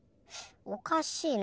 おかしいな。